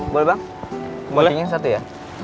boleh bang kemojengnya satu ya